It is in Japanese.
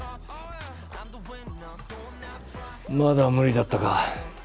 まだ無理だったか